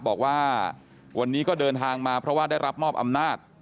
บอกว่าวันนี้ก็เดินทางมาเพราะว่าได้รับมอบอำนาจ